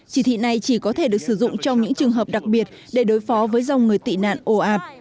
chỉ thị này chỉ có thể được sử dụng trong những trường hợp đặc biệt để đối phó với dòng người tị nạn ồ ạt